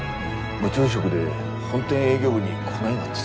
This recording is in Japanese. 部長職で本店営業部に来ないがってさ。